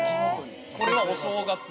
これはお正月？